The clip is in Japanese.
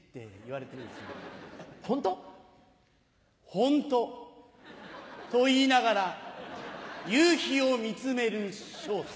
「本当？」と言いながら夕日を見つめる昇太。